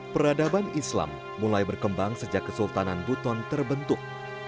peradaban islam mulai berkembang sejak kesultanan buton terbentuk